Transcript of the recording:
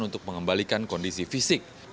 untuk mengembalikan kondisi fisik